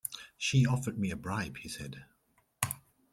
She offered me a bribe, he said.